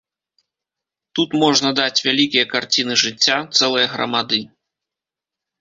Тут можна даць вялікія карціны жыцця цэлае грамады.